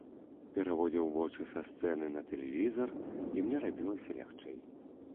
Пераводзіў вочы са сцэны на тэлевізар, і мне рабілася лягчэй.